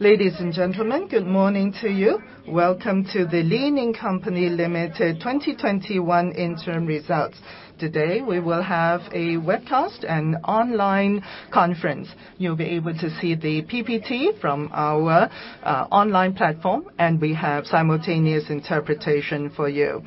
Ladies and gentlemen, good morning to you. Welcome to the Li Ning Company Limited 2021 interim results. Today, we will have a webcast and online conference. You'll be able to see the PPT from our online platform, and we have simultaneous interpretation for you.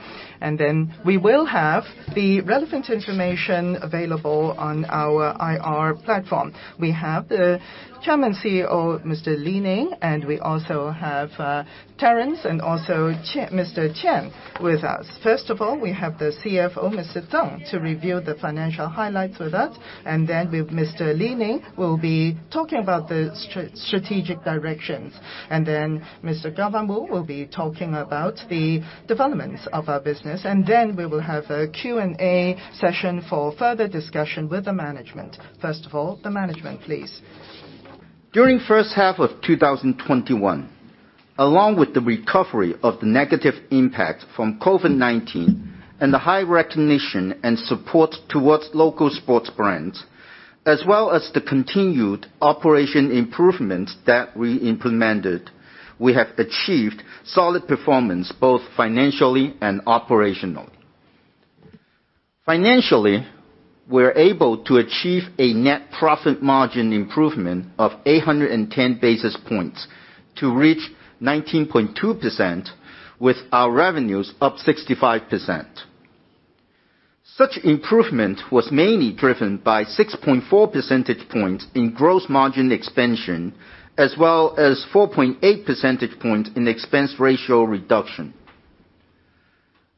We will have the relevant information available on our IR platform. We have the Chairman, CEO, Mr. Li Ning, and we also have Terence and also Mr. Qian with us. First of all, we have the CFO, Mr. Tsang, to review the financial highlights with us, and then we have Mr. Li Ning, who will be talking about the strategic directions. Mr. Jonathan Wu will be talking about the developments of our business. We will have a Q&A session for further discussion with the management. First of all, the management, please. During H1 2021, along with the recovery of the negative impact from COVID-19 and the high recognition and support towards domestic brands, as well as the continued operation improvements that we implemented, we have achieved solid performance both financially and operationally. Financially, we're able to achieve a net profit margin improvement of 810 basis points to reach 19.2% with our revenues up 65%. Such improvement was mainly driven by 6.4 percentage points in gross margin expansion, as well as 4.8 percentage point in expense ratio reduction.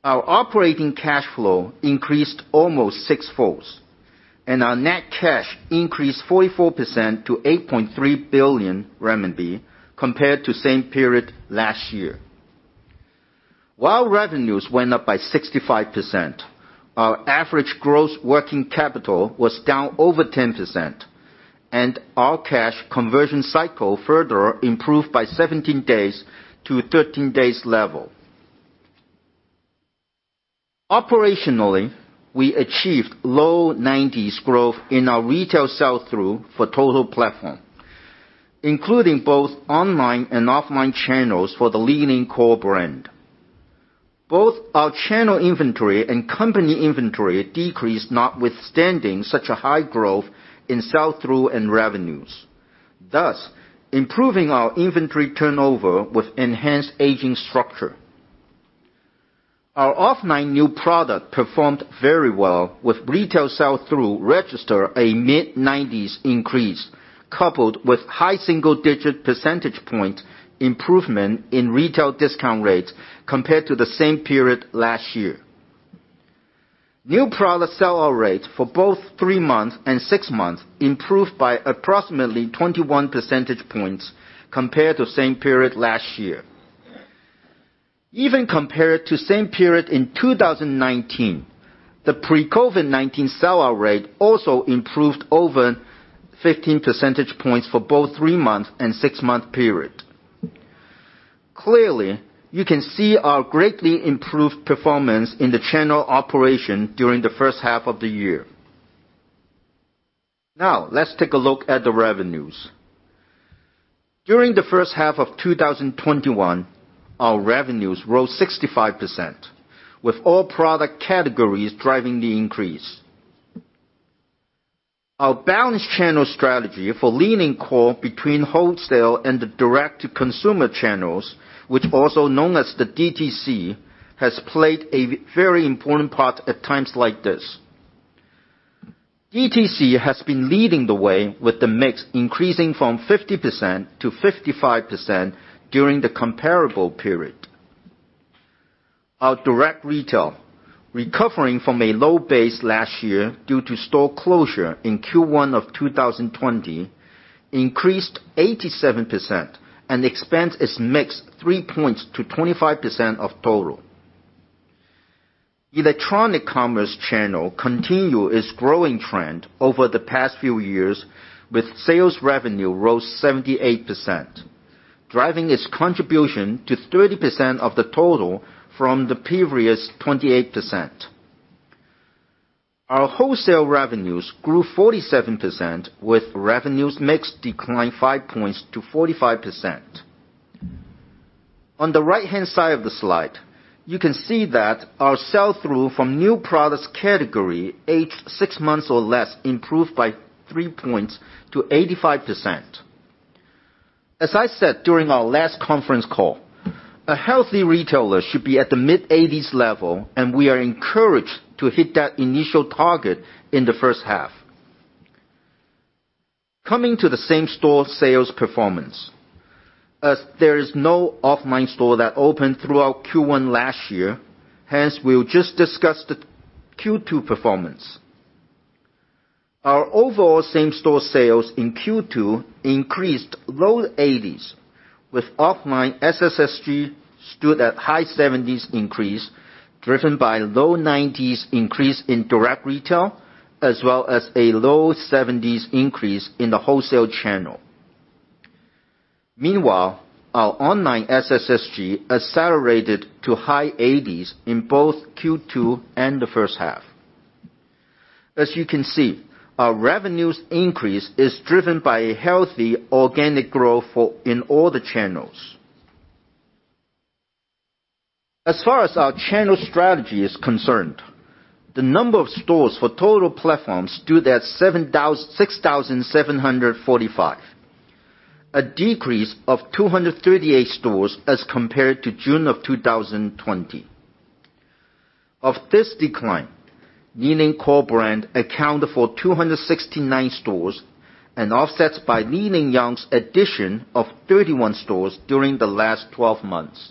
Our operating cash flow increased almost sixfolds, and our net cash increased 44% to 8.3 billion RMB compared to same period last year. While revenues went up by 65%, our average gross working capital was down over 10%, and our cash conversion cycle further improved by 17 days to 13 days level. Operationally, we achieved low 90s growth in our retail sell-through for total platform, including both online and offline channels for the Li Ning core brand. Both our channel inventory and company inventory decreased notwithstanding such a high growth in sell-through and revenues, thus improving our inventory turnover with enhanced aging structure. Our offline new product performed very well with retail sell-through register a mid-90s increase, coupled with high single-digit percentage point improvement in retail discount rates compared to the same period last year. New product sellout rates for both 3 months and 6 months improved by approximately 21 percentage points compared to same period last year. Even compared to same period in 2019, the pre-COVID-19 sellout rate also improved over 15 percentage points for both 3-month and 6-month period. Clearly, you can see our greatly improved performance in the channel operation during the first half of the year. Now, let's take a look at the revenues. During the first half of 2021, our revenues rose 65%, with all product categories driving the increase. Our balanced channel strategy for Li Ning core between wholesale and the direct-to-consumer channels, which also known as the DTC, has played a very important part at times like this. DTC has been leading the way with the mix increasing from 50% to 55% during the comparable period. Our direct retail, recovering from a low base last year due to store closure in Q1 of 2020, increased 87% and expands its mix 3 points to 25% of total. Electronic commerce channel continue its growing trend over the past few years with sales revenue rose 78%, driving its contribution to 30% of the total from the previous 28%. Our wholesale revenues grew 47% with revenues mix decline 5 points to 45%. On the right-hand side of the slide, you can see that our sell-through from new products category aged 6 months or less improved by 3 points to 85%. As I said during our last conference call, a healthy retailer should be at the mid-80s level, and we are encouraged to hit that initial target in the first half. Coming to the same-store sales performance. As there is no offline store that opened throughout Q1 last year, hence, we'll just discuss the Q2 performance. Our overall same-store sales in Q2 increased low 80s%, with offline SSSG stood at high 70s% increase, driven by low 90s% increase in direct retail, as well as a low 70s% increase in the wholesale channel. Our online SSSG accelerated to high 80s% in both Q2 and the first half. As you can see, our revenues increase is driven by a healthy organic growth in all the channels. As far as our channel strategy is concerned, the number of stores for total platforms stood at 6,745. A decrease of 238 stores as compared to June of 2020. Of this decline, Li Ning core brand accounted for 269 stores and offsets by Li Ning Young's addition of 31 stores during the last 12 months.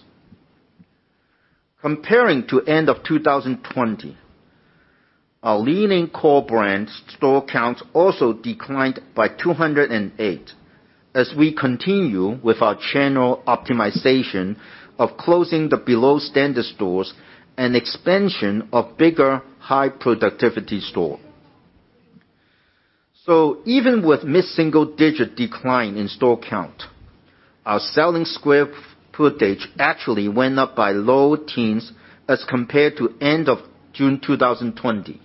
Comparing to end of 2020, our Li Ning core brand store counts also declined by 208. As we continue with our channel optimization of closing the below-standard stores and expansion of bigger, high-productivity store. Even with mid-single-digit decline in store count, our selling square footage actually went up by low teens as compared to end of June 2020.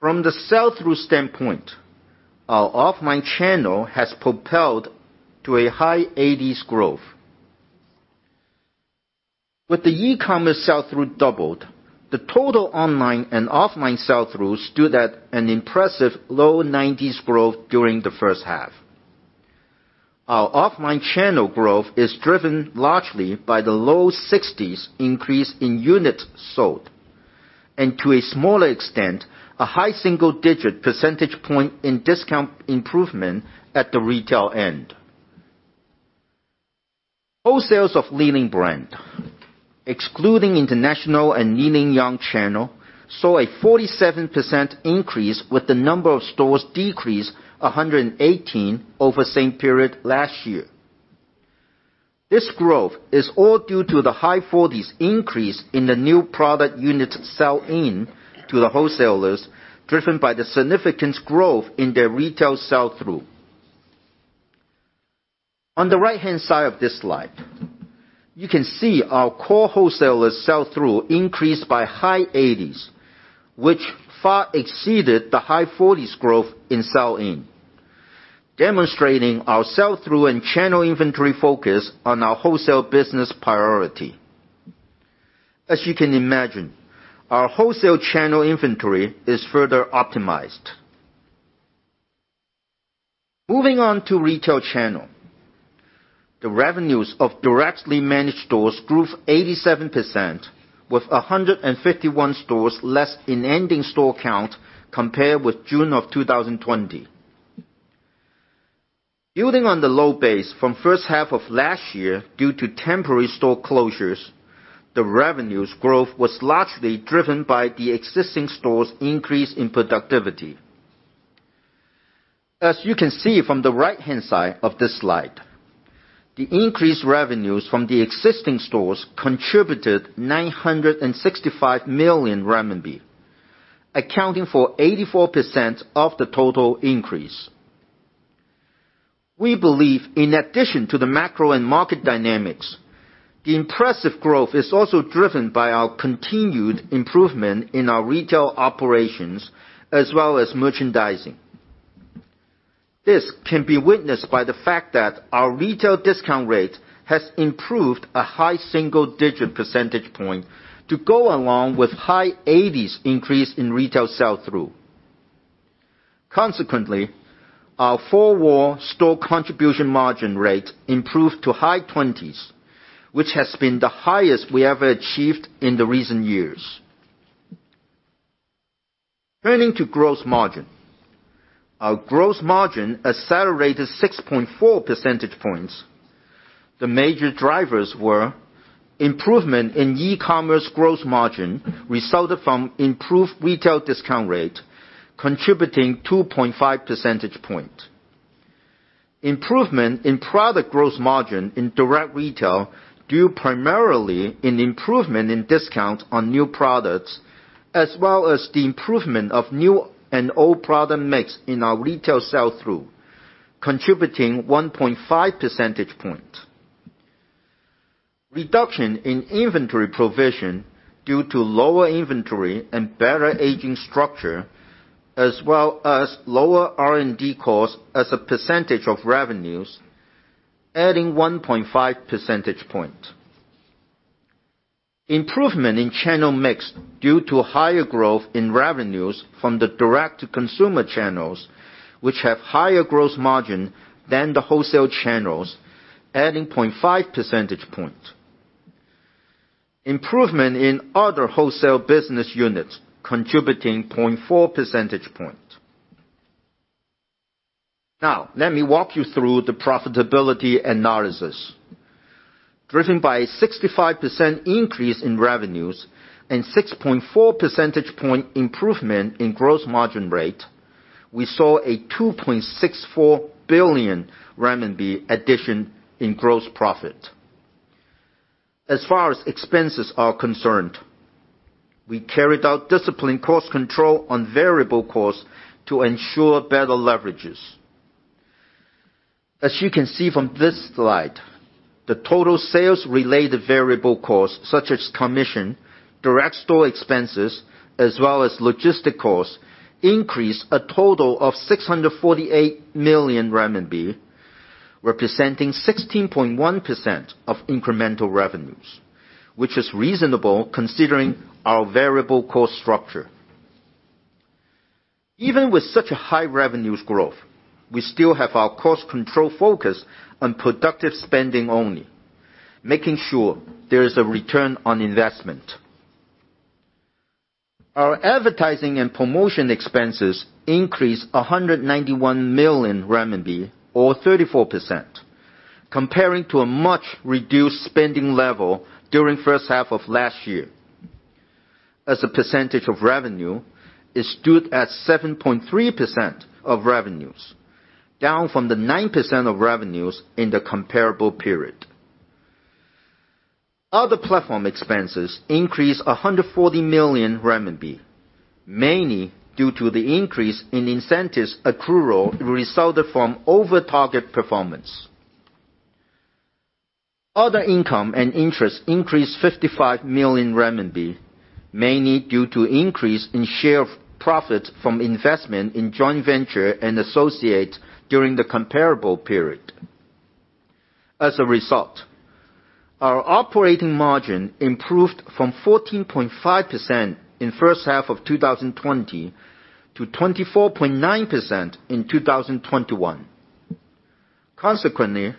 From the sell-through standpoint, our offline channel has propelled to a high 80s growth. With the e-commerce sell-through doubled, the total online and offline sell-throughs stood at an impressive low 90s growth during the first half. Our offline channel growth is driven largely by the low 60s increase in units sold, and to a smaller extent, a high single-digit percentage point in discount improvement at the retail end. Wholesales of Li Ning brand, excluding international and Li Ning Young channel, saw a 47% increase with the number of stores decrease 118 over same period last year. This growth is all due to the high 40s increase in the new product units sell-in to the wholesalers, driven by the significant growth in their retail sell-through. On the right-hand side of this slide, you can see our core wholesalers sell-through increased by high 80s, which far exceeded the high 40s growth in sell-in, demonstrating our sell-through and channel inventory focus on our wholesale business priority. As you can imagine, our wholesale channel inventory is further optimized. Moving on to retail channel. The revenues of directly managed stores grew 87%, with 151 stores less in ending store count compared with June of 2020. Building on the low base from first half of last year due to temporary store closures, the revenues growth was largely driven by the existing stores increase in productivity. As you can see from the right-hand side of this slide, the increased revenues from the existing stores contributed 965 million RMB, accounting for 84% of the total increase. We believe in addition to the macro and market dynamics, the impressive growth is also driven by our continued improvement in our retail operations as well as merchandising. This can be witnessed by the fact that our retail discount rate has improved a high single-digit percentage point to go along with high 80s increase in retail sell-through. Consequently, our four-wall store contribution margin rate improved to high 20s, which has been the highest we ever achieved in the recent years. Turning to gross margin. Our gross margin accelerated 6.4 percentage points. The major drivers were improvement in e-commerce gross margin resulted from improved retail discount rate, contributing 2.5 percentage point. Improvement in product gross margin in direct retail due primarily in improvement in discounts on new products as well as the improvement of new and old product mix in our retail sell-through, contributing 1.5 percentage point. Reduction in inventory provision due to lower inventory and better aging structure, as well as lower R&D costs as a percentage of revenues, adding 1.5 percentage point. Improvement in channel mix due to higher growth in revenues from the direct-to-consumer channels, which have higher gross margin than the wholesale channels, adding 0.5 percentage point. Improvement in other wholesale business units contributing 0.4 percentage point. Let me walk you through the profitability analysis. Driven by a 65% increase in revenues and 6.4 percentage point improvement in gross margin rate, we saw a 2.64 billion renminbi addition in gross profit. As far as expenses are concerned, we carried out disciplined cost control on variable costs to ensure better leverages. As you can see from this slide, the total sales-related variable costs, such as commission, direct store expenses, as well as logistic costs, increased a total of 648 million RMB, representing 16.1% of incremental revenues, which is reasonable considering our variable cost structure. Even with such a high revenues growth, we still have our cost control focus on productive spending only, making sure there is a return on investment. Our advertising and promotion expenses increased 191 million RMB or 34%, comparing to a much-reduced spending level during first half of last year. As a percentage of revenue, it stood at 7.3% of revenues, down from the 9% of revenues in the comparable period. Other platform expenses increased 140 million RMB, mainly due to the increase in incentives accrual resulted from over-target performance. Other income and interest increased 55 million renminbi, mainly due to increase in share of profit from investment in joint venture and associates during the comparable period. As a result, our operating margin improved from 14.5% in the first half of 2020 to 24.9% in 2021. Consequently,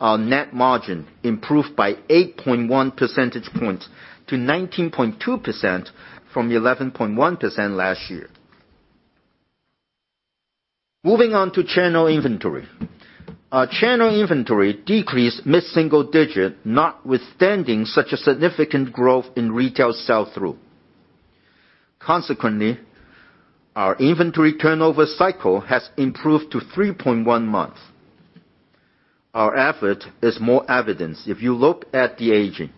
our net margin improved by 8.1 percentage points to 19.2% from 11.1% last year. Moving on to channel inventory. Our channel inventory decreased mid-single digit, notwithstanding such a significant growth in retail sell-through. Consequently, our inventory turnover cycle has improved to 3.1 months. Our effort is more evidence if you look at the aging.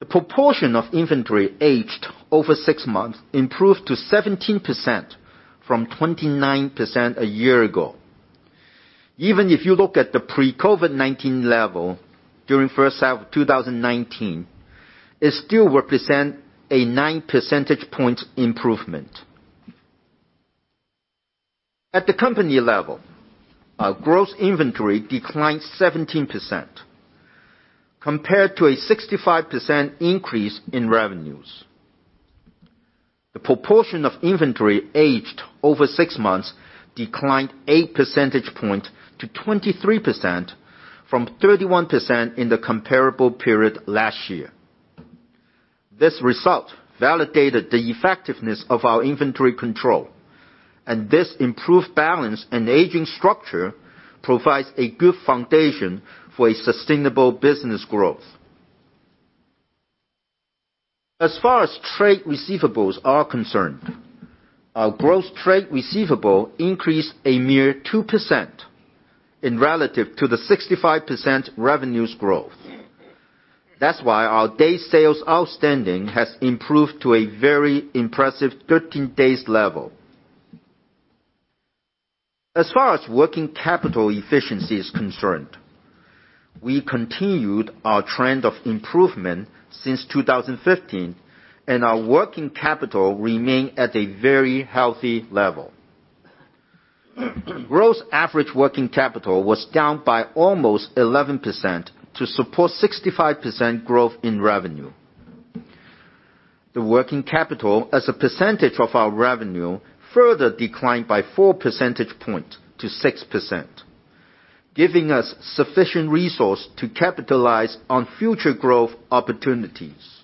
The proportion of inventory aged over 6 months improved to 17% from 29% a year ago. Even if you look at the pre-COVID-19 level during first half of 2019, it still represents a 9 percentage point improvement. At the company level, our gross inventory declined 17%, compared to a 65% increase in revenues. The proportion of inventory aged over six months declined eight percentage point to 23% from 31% in the comparable period last year. This result validated the effectiveness of our inventory control, and this improved balance and aging structure provides a good foundation for a sustainable business growth. As far as trade receivables are concerned, our gross trade receivable increased a mere 2% in relative to the 65% revenues growth. That's why our day sales outstanding has improved to a very impressive 13 days level. As far as working capital efficiency is concerned, we continued our trend of improvement since 2015, and our working capital remained at a very healthy level. Gross average working capital was down by almost 11% to support 65% growth in revenue. The working capital as a percentage of our revenue further declined by 4 percentage point to 6%, giving us sufficient resource to capitalize on future growth opportunities.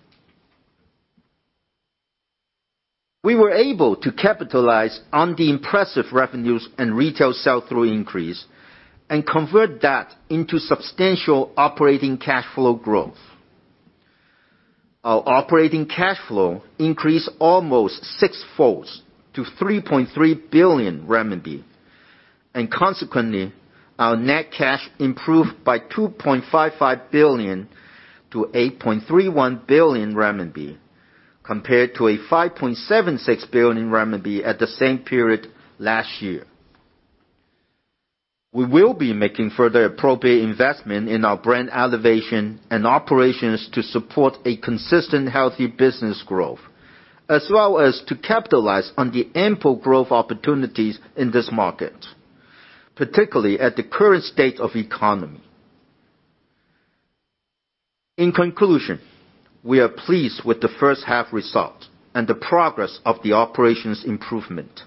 We were able to capitalize on the impressive revenues and retail sell-through increase and convert that into substantial operating cash flow growth. Our operating cash flow increased almost sixfold to 3.3 billion renminbi, and consequently, our net cash improved by 2.55 billion to 8.31 billion renminbi, compared to a 5.76 billion renminbi at the same period last year. We will be making further appropriate investment in our brand elevation and operations to support a consistent, healthy business growth as well as to capitalize on the ample growth opportunities in this market, particularly at the current state of economy. In conclusion, we are pleased with the first half result and the progress of the operations improvement.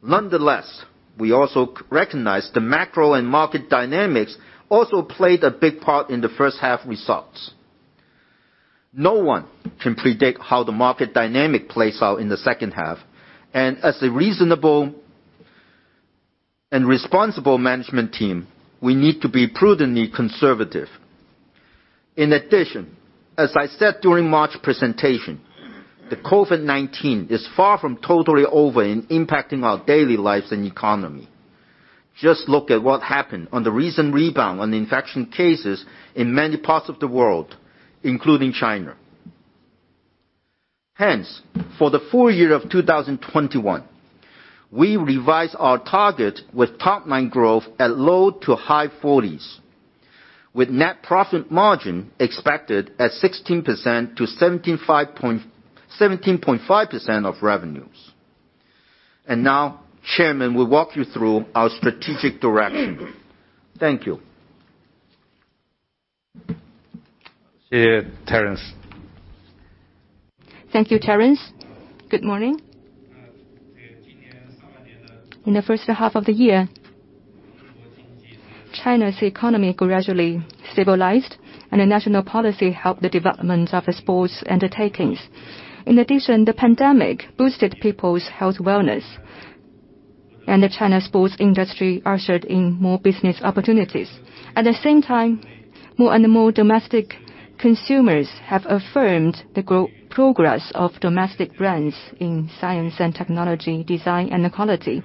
Nonetheless, we also recognize the macro and market dynamics also played a big part in the first half results. No one can predict how the market dynamic plays out in the second half, and as a reasonable and responsible management team, we need to be prudently conservative. In addition, as I said during March presentation, the COVID-19 is far from totally over and impacting our daily lives and economy. Just look at what happened on the recent rebound on infection cases in many parts of the world, including China. Hence, for the full year of 2021, we revise our target with top-line growth at low to high 40s, with net profit margin expected at 16% to 17.5% of revenues. Now, Chairman will walk you through our strategic direction. Thank you. Chair Terence. Thank you, Terence. Good morning. In the first half of the year, China's economy gradually stabilized, and the national policy helped the development of sports undertakings. In addition, the pandemic boosted people's health wellness, and the China sports industry ushered in more business opportunities. At the same time, more and more domestic consumers have affirmed the progress of domestic brands in science and technology, design, and quality.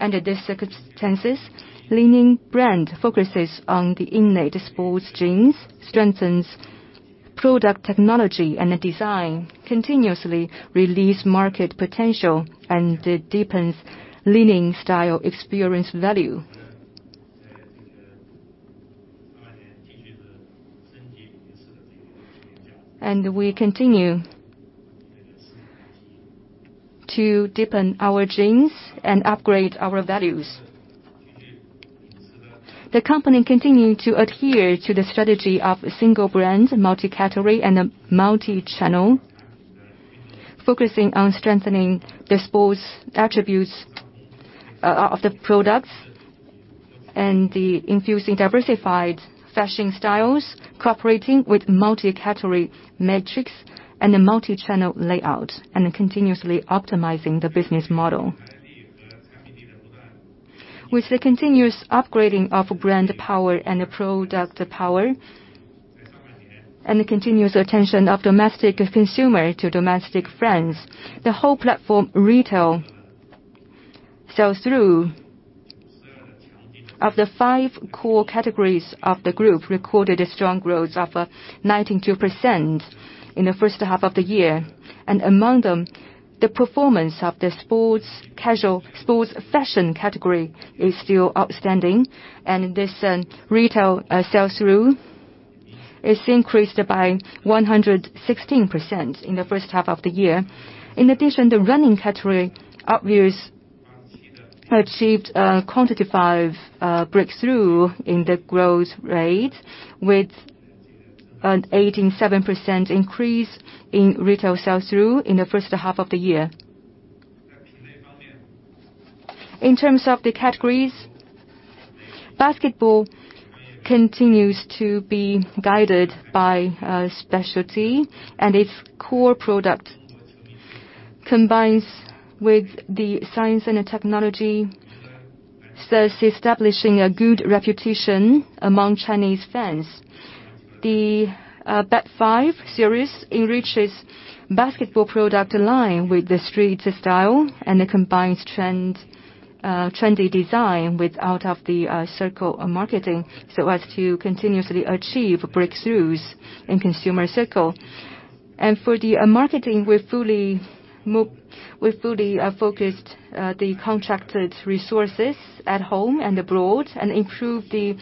Under these circumstances, Li Ning brand focuses on the innate sports genes, strengthens product technology and the design, continuously release market potential, and it deepens Li Ning style experience value. We continue to deepen our genes and upgrade our values. The company continued to adhere to the strategy of single brand, multi-category, and multi-channel, focusing on strengthening the sports attributes of the products and infusing diversified fashion styles, cooperating with multi-category metrics and a multi-channel layout, and continuously optimizing the business model. With the continuous upgrading of brand power and product power, and the continuous attention of domestic consumer to domestic brands, the whole platform retail sell-through of the 5 core categories of the group recorded a strong growth of 92% in the first half of the year. Among them, the performance of the sports fashion category is still outstanding. This retail sell-through is increased by 116% in the first half of the year. In addition, the running category achieved a quantified breakthrough in the growth rate, with an 187% increase in retail sell-through in the first half of the year. In terms of the categories, basketball continues to be guided by specialty, and its core product combines with the science and the technology thus establishing a good reputation among Chinese fans. The BADFIVE series enriches basketball product line with the street style and the combined trendy design with out-of-the-circle marketing, so as to continuously achieve breakthroughs in consumer circle. For the marketing, we've fully focused the contracted resources at home and abroad and improved the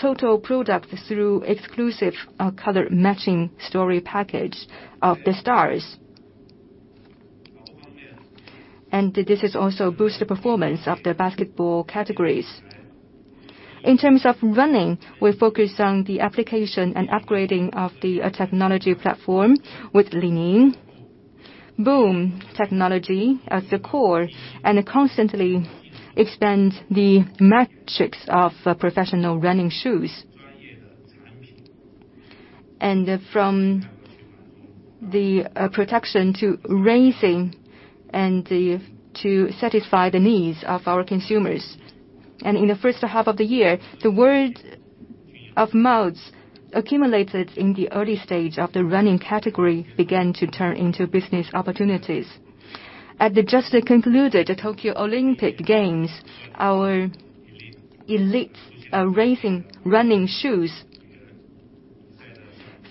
total product through exclusive color-matching story package of the stars. This has also boosted performance of the basketball categories. In terms of running, we focused on the application and upgrading of the technology platform with Li-Ning Beng technology at the core, and constantly expand the metrics of professional running shoes. From the protection to racing and to satisfy the needs of our consumers. In the first half of the year, the word of mouth accumulated in the early stage of the running category began to turn into business opportunities. At the just concluded Tokyo Olympic Games, our elite running shoes,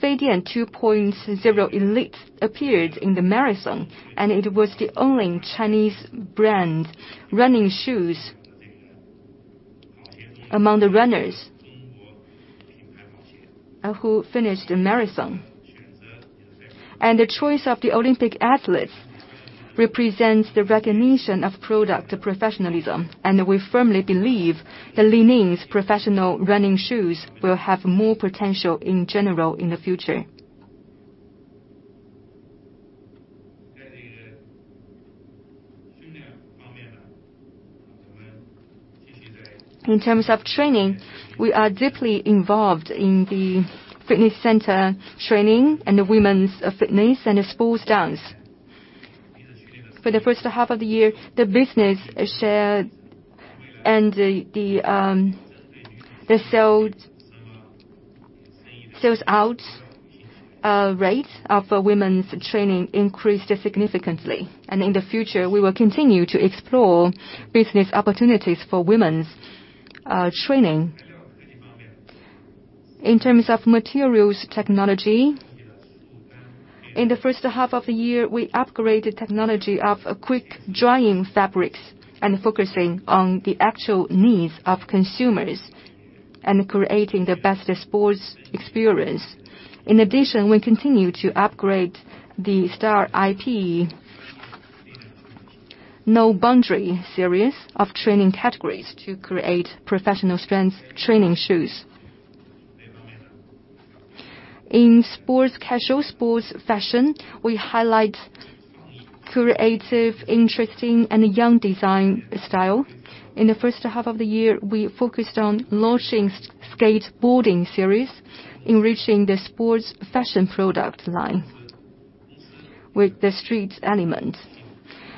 Feidian 2.0 Elite, appeared in the marathon. It was the only Chinese brand running shoes among the runners who finished the marathon. The choice of the Olympic athletes represents the recognition of product professionalism. We firmly believe that Li Ning's professional running shoes will have more potential in general in the future. In terms of training, we are deeply involved in the fitness center training and the women's fitness and sports dance. For the first half of the year, the business shared and the sold-out rate of women's training increased significantly. In the future, we will continue to explore business opportunities for women's training. In terms of materials technology, in the first half of the year, we upgraded technology of quick-drying fabrics focusing on the actual needs of consumers and creating the best sports experience. In addition, we continue to upgrade the Star IP No Boundary series of training categories to create professional strength training shoes. In sports casual, sports fashion, we highlight creative, interesting, and young design style. In the first half of the year, we focused on launching skateboarding series, enriching the sports fashion product line with the street element.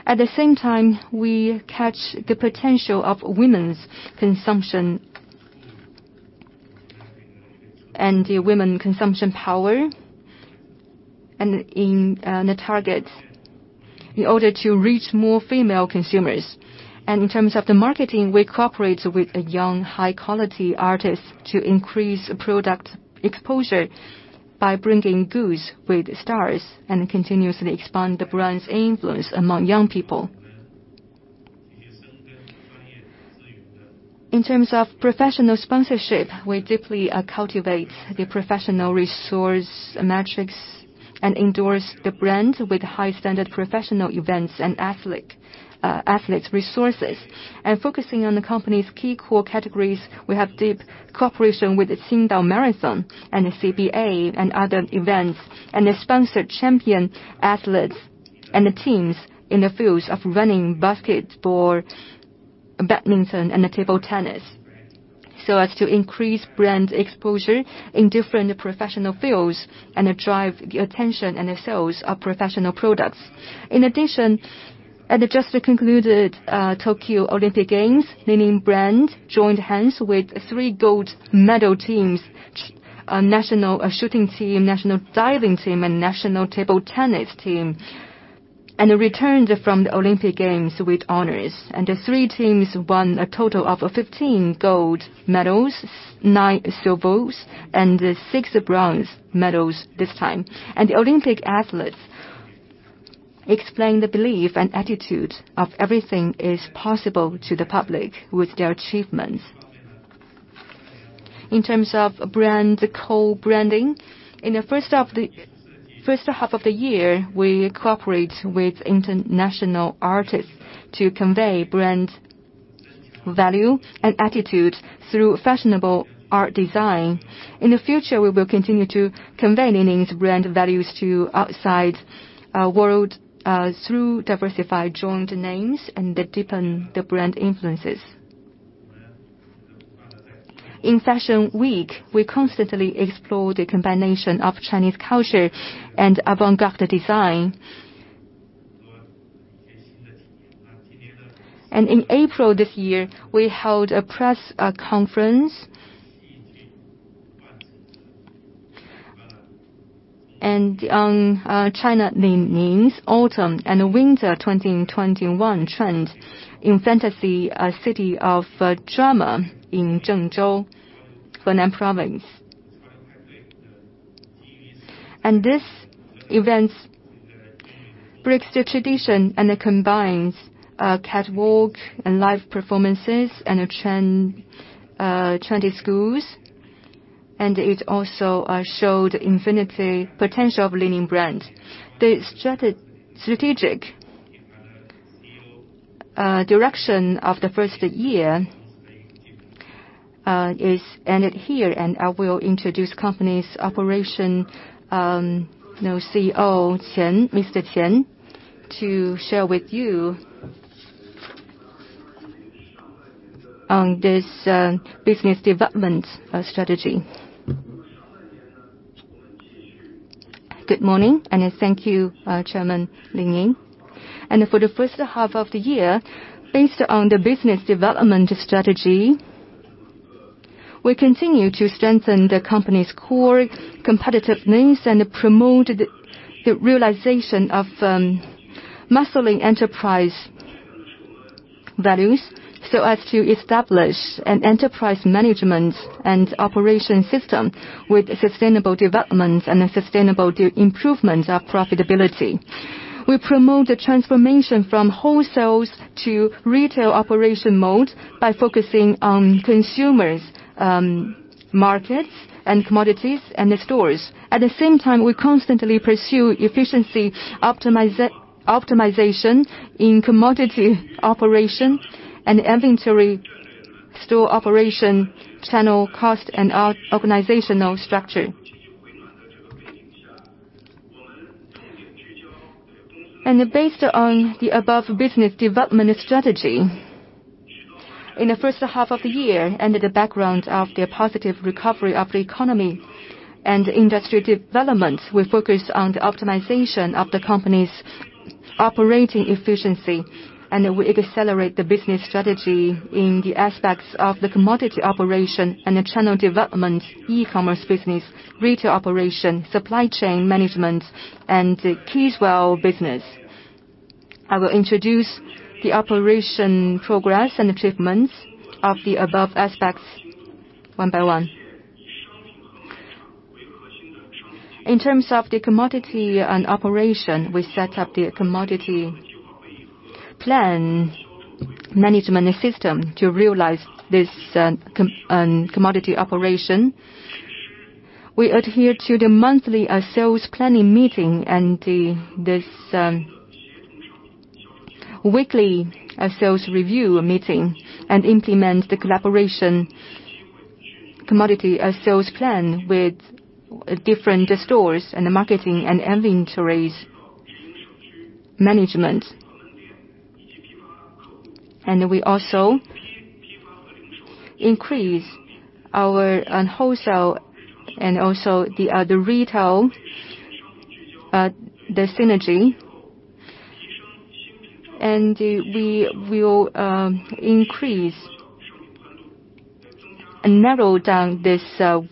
At the same time, we catch the potential of women's consumption and the women consumption power, and in the targets in order to reach more female consumers. In terms of the marketing, we cooperate with a young, high-quality artist to increase product exposure by bringing goods with stars and continuously expand the brand's influence among young people. In terms of professional sponsorship, we deeply cultivate the professional resource matrix and endorse the brand with high-standard professional events and athletes resources. Focusing on the company's key core categories, we have deep cooperation with the Qingdao Marathon and the CBA and other events, and they sponsor champion athletes and teams in the fields of running, basketball, badminton, and table tennis, so as to increase brand exposure in different professional fields and drive attention and sales of professional products. In addition, at the just concluded Tokyo Olympic Games, Li Ning brand joined hands with 3 gold medal teams, national shooting team, national diving team, and national table tennis team, and returned from the Olympic Games with honors. The 3 teams won a total of 15 gold medals, 9 silvers, and 6 bronze medals this time. The Olympic athletes explain the belief and attitude of everything is possible to the public with their achievements. In terms of brand co-branding, in the first half of the year, we cooperate with international artists to convey brand value and attitude through fashionable art design. In the future, we will continue to convey Li Ning's brand values to outside world through diversified joint names and deepen the brand influences. In Fashion Week, we constantly explore the combination of Chinese culture and avant-garde design. In April this year, we held a press conference. On China Li-Ning's autumn and winter 2021 trend in Fantasy City of Drama in Zhengzhou, Henan Province. This event breaks the tradition and it combines catwalk and live performances and trendy schools, and it also showed infinity potential of Li Ning brand. The strategic direction of the first year ended here, and I will introduce company's Operations CEO, Mr. Qian, to share with you on this business development strategy. Good morning, and thank you, Chairman Li Ning. For the first half of the year, based on the business development strategy, we continue to strengthen the company's core competitiveness and promote the realization of maximising enterprise values so as to establish an enterprise management and operation system with sustainable development and a sustainable improvements of profitability. We promote the transformation from wholesale to retail operation mode by focusing on consumers, markets, and commodities and the stores. At the same time, we constantly pursue efficiency optimization in commodity operation and inventory store operation channel cost and organizational structure. Based on the above business development strategy, in the first half of the year, in the background of the positive recovery of the economy and industry development, we focus on the optimization of the company's operating efficiency, and we accelerate the business strategy in the aspects of the commodity operation and the channel development, e-commerce business, retail operation, supply chain management, and the kidswear business. I will introduce the operation progress and achievements of the above aspects one by one. In terms of the commodity and operation, we set up the commodity plan management system to realize this commodity operation. We adhere to the monthly sales planning meeting and this weekly sales review meeting, and implement the collaboration commodity sales plan with different stores and marketing and inventories management. We also increase our wholesale and also the retail, the synergy. We will increase and narrow down this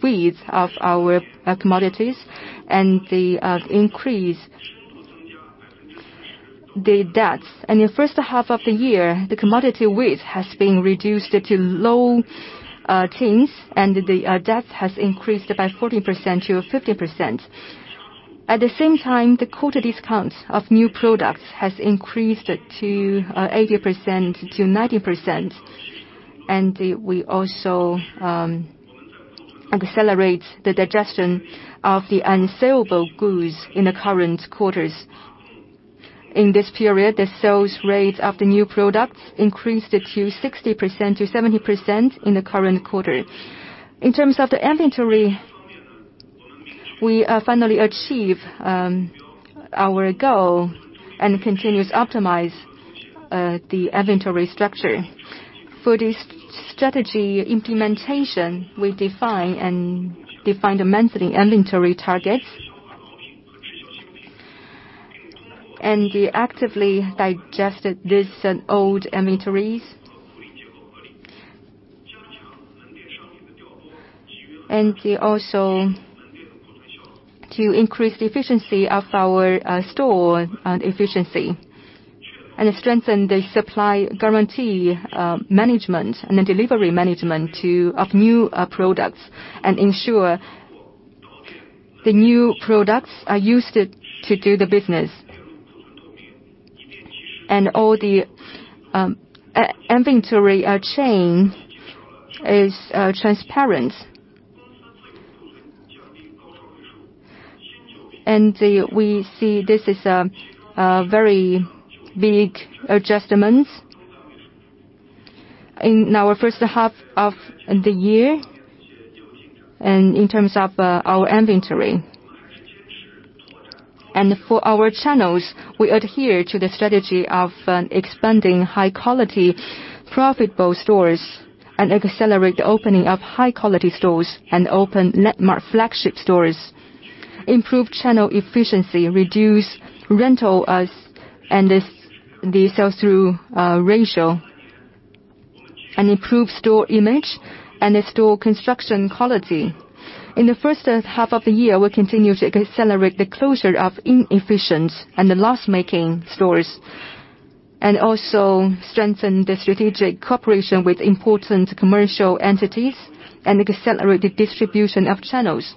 width of our commodities and increase the depth. In the first half of the year, the commodity width has been reduced to low teens, and the depth has increased by 40%-50%. At the same time, the quarterly discounts of new products has increased to 80%-90%. We also accelerate the digestion of the unsaleable goods in the current quarters. In this period, the sales rate of the new products increased to 60%-70% in the current quarter. In terms of the inventory, we finally achieve our goal and continuously optimize the inventory structure. For this strategy implementation, we define the monthly inventory targets. We actively digested these old inventories. We also to increase the efficiency of our store efficiency and strengthen the supply guarantee management and the delivery management of new products and ensure the new products are used to do the business. All the inventory chain is transparent. We see this is a very big adjustments in our first half of the year and in terms of our inventory. For our channels, we adhere to the strategy of expanding high-quality, profitable stores and accelerate the opening of high-quality stores and open landmark flagship stores, improve channel efficiency, reduce rental as and the sell-through ratio, and improve store image and the store construction quality. In the first half of the year, we continue to accelerate the closure of inefficient and the loss-making stores, and also strengthen the strategic cooperation with important commercial entities and accelerate the distribution of channels.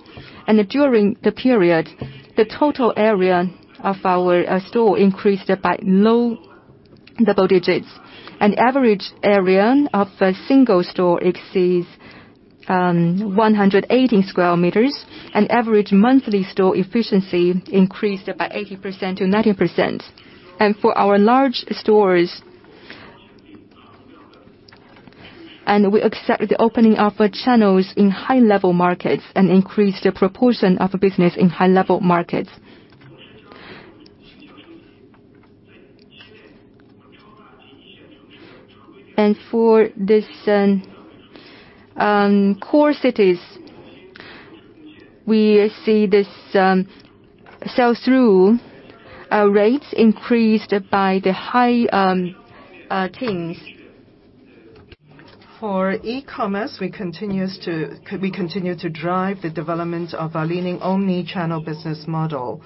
During the period, the total area of our store increased by low double digits. Average area of a single store exceeds 180 sq m, and average monthly store efficiency increased by 80%-90%. For our large stores, we accept the opening of channels in high-level markets and increase the proportion of business in high-level markets. For these core cities, we see this sell-through rates increased by the high teens. For e-commerce, we continue to drive the development of our leading omni-channel business model.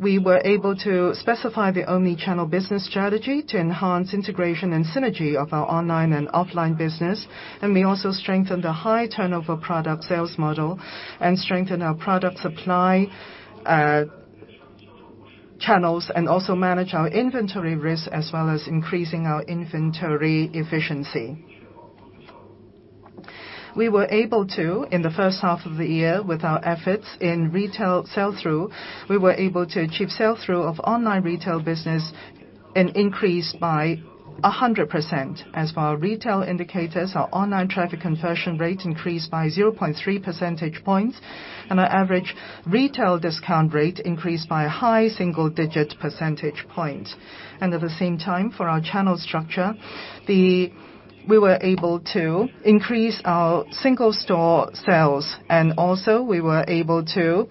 We were able to specify the omni-channel business strategy to enhance integration and synergy of our online and offline business. We also strengthened the high turnover product sales model and strengthened our product supply channels, and also manage our inventory risk as well as increasing our inventory efficiency. We were able to, in the first half of the year with our efforts in retail sell-through, we were able to achieve sell-through of online retail business and increased by 100%. As for our retail indicators, our online traffic conversion rate increased by 0.3 percentage points, and our average retail discount rate increased by a high single-digit percentage point. At the same time, for our channel structure, we were able to increase our single-store sales, also we were able to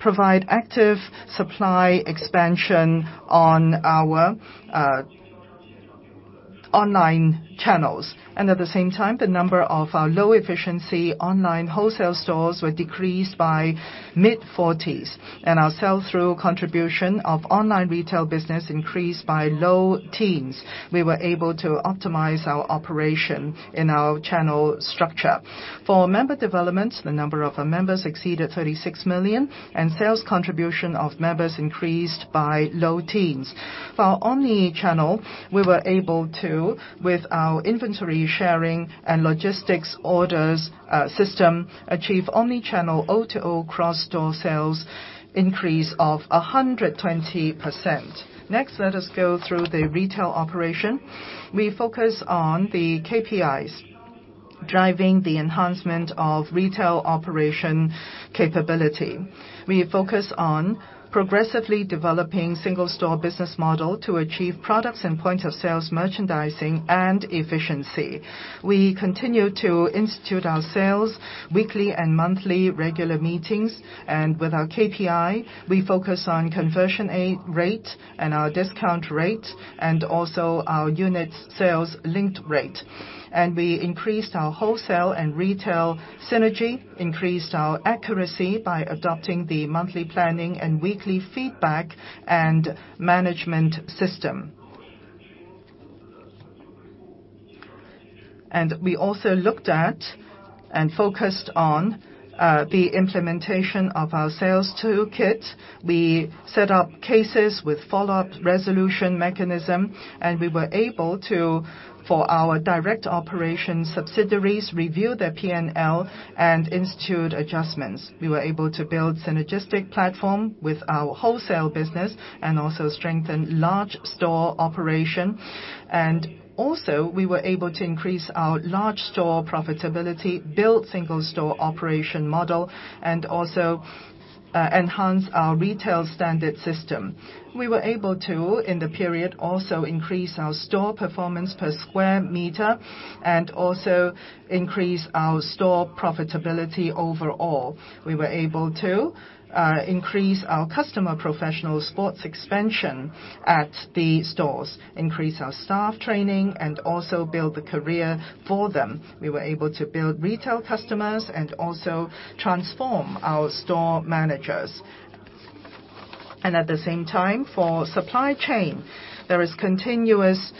provide active supply expansion on our online channels. At the same time, the number of our low-efficiency online wholesale stores were decreased by mid-40s. Our sell-through contribution of online retail business increased by low teens. We were able to optimize our operation in our channel structure. For member developments, the number of our members exceeded 36 million, and sales contribution of members increased by low teens. For our omni-channel, we were able to, with our inventory sharing and logistics orders system, achieve omni-channel O2O cross-store sales increase of 120%. Next, let us go through the retail operation. We focus on the KPIs driving the enhancement of retail operation capability. We focus on progressively developing single-store business model to achieve products and point-of-sales merchandising and efficiency. We continue to institute our sales weekly and monthly regular meetings. With our KPI, we focus on conversion aid rate and our discount rate, and also our unit sales linked rate. We increased our wholesale and retail synergy, increased our accuracy by adopting the monthly planning and weekly feedback and management system. We also looked at and focused on the implementation of our sales toolkit. We set up cases with follow-up resolution mechanism, and we were able to, for our direct operation subsidiaries, review their P&L and institute adjustments. We were able to build synergistic platform with our wholesale business and also strengthen large store operation. We were able to increase our large store profitability, build single-store operation model, and also enhance our retail standard system. We were able to, in the period, also increase our store performance per square meter and also increase our store profitability overall. We were able to increase our customer professional sports expansion at the stores. Increase our staff training and also build the career for them. We were able to build retail customers and also transform our store managers. At the same time, for supply chain, there is continuous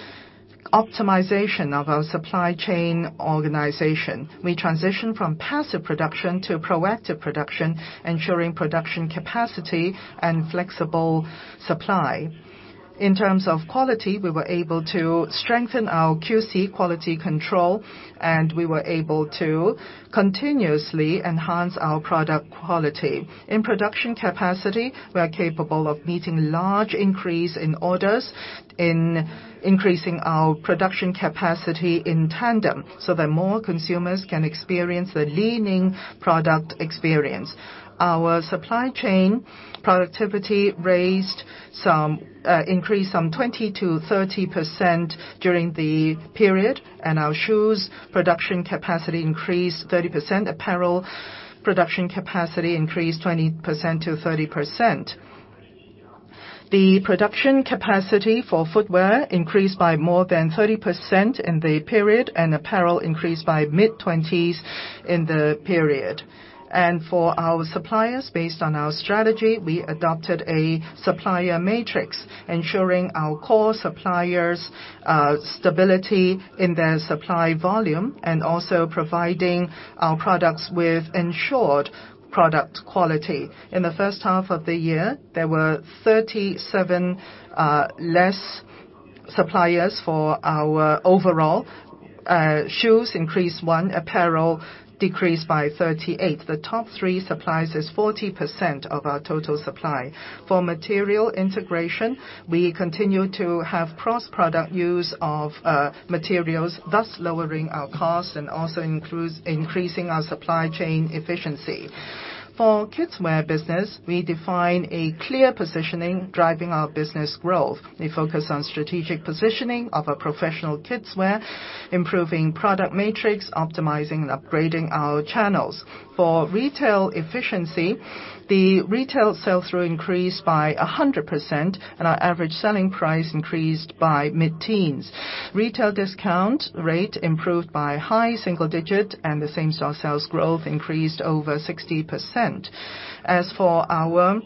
optimization of our supply chain organization. We transition from passive production to proactive production, ensuring production capacity and flexible supply. In terms of quality, we were able to strengthen our QC, quality control, and we were able to continuously enhance our product quality. In production capacity, we are capable of meeting large increase in orders in increasing our production capacity in tandem so that more consumers can experience the Li Ning product experience. Our supply chain productivity increased some 20% to 30% during the period. Our shoes production capacity increased 30%. Apparel production capacity increased 20% to 30%. The production capacity for footwear increased by more than 30% in the period, and apparel increased by mid-20s in the period. For our suppliers, based on our strategy, we adopted a supplier matrix ensuring our core suppliers stability in their supply volume and also providing our products with ensured product quality. In the first half of the year, there were 37 less suppliers for our overall. Shoes increased 1. Apparel decreased by 38. The top 3 suppliers is 40% of our total supply. For material integration, we continue to have cross-product use of materials, thus lowering our costs and also increasing our supply chain efficiency. For kidswear business, we define a clear positioning driving our business growth. We focus on strategic positioning of a professional kidswear, improving product matrix, optimizing and upgrading our channels. For retail efficiency, the retail sell-through increased by 100%, and our average selling price increased by mid-teens. Retail discount rate improved by high single digit and the same-store sales growth increased over 60%. As for our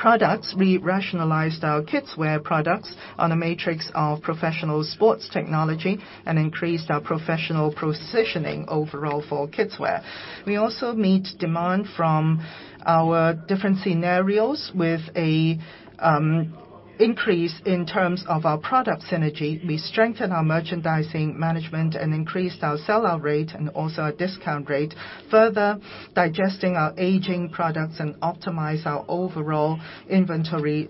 products, we rationalized our kidswear products on a matrix of professional sports technology and increased our professional positioning overall for kidswear. We also meet demand from our different scenarios with an increase in terms of our product synergy. We strengthen our merchandising management and increased our sellout rate and also our discount rate. Further digesting our aging products and optimize our overall inventory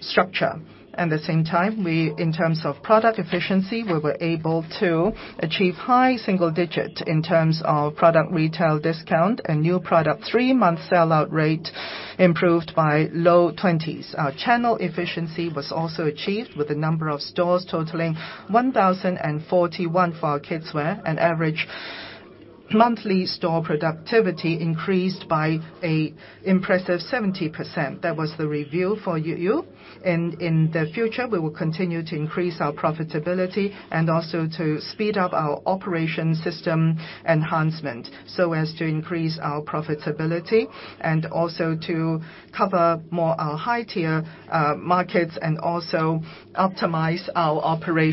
structure. At the same time, in terms of product efficiency, we were able to achieve high single digit in terms of product retail discount. New product three-month sellout rate improved by low 20s. Our channel efficiency was also achieved with the number of stores totaling 1,041 for our kidswear. Average monthly store productivity increased by an impressive 70%. That was the review for YuYu. In the future, we will continue to increase our profitability and also to speed up our operation system enhancement so as to increase our profitability and also to cover more our high-tier markets and also optimize our operation